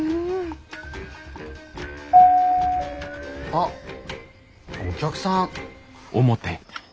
あっお客さん。